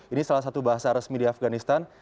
ini salah satu bahasa resmi di afganistan